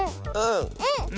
うん！